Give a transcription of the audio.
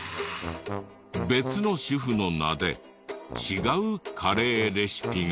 別の主婦の名で違うカレーレシピが。